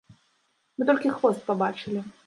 Мы толькі хвост пабачылі.